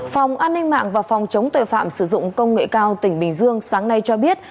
phòng an ninh mạng và phòng chống tuệ phạm sử dụng công nghệ cao tỉnh bình dương sáng nay cho biết